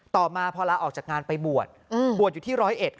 ต่อมาพ๒๕๖อาและออกจากงานไปบวชยูที่๑๐๑